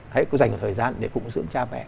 hãy dành thời gian để phụng dưỡng cha mẹ